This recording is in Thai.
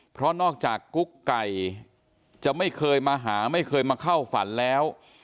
เพราะนอกจากกุ๊กไก่จะไม่เคยมาหาไม่เคยมาเข้าฝันแล้ว